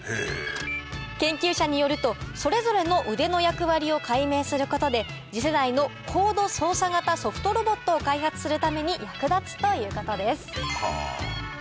研究者によるとそれぞれの腕の役割を解明することで次世代の高度操作型ソフトロボットを開発するために役立つということです。